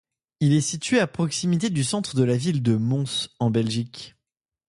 Il est situé à proximité du centre de la ville de Mons, en Belgique.